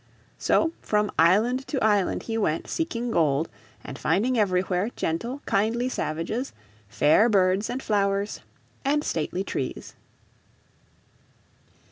So from island to island he went seeking gold, and finding everywhere gentle, kindly savages, fair birds and flowers, and stately trees.